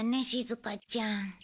しずかちゃん。